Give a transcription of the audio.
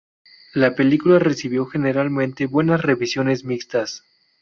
La película recibió generalmente buenas revisiones mixtas.